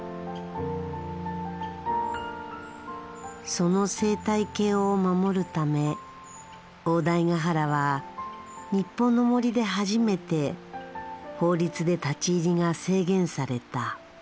その生態系を守るため大台ヶ原は日本の森で初めて法律で立ち入りが制限された。